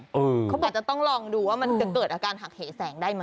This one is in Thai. เขาอาจจะต้องลองดูว่ามันจะเกิดอาการหักเหแสงได้ไหม